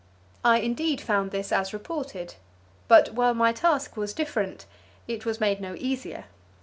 I indeed found this as reported, but while my task was different it was made no easier.